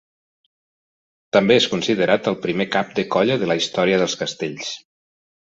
També és considerat el primer cap de colla de la història dels castells.